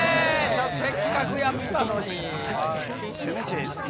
せっかくやったのに。